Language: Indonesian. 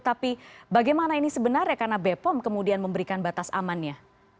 tapi bagaimana ini sebenarnya karena bepom kemudian memberikan batas amannya